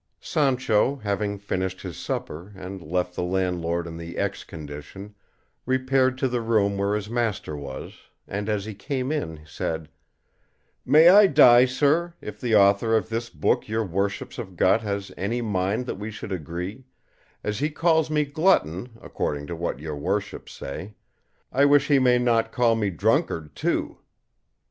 Sancho having finished his supper, and left the landlord in the X condition, repaired to the room where his master was, and as he came in said, "May I die, sirs, if the author of this book your worships have got has any mind that we should agree; as he calls me glutton (according to what your worships say) I wish he may not call me drunkard too."